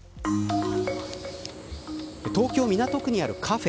東京、港区にあるカフェ。